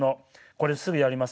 これすぐやります。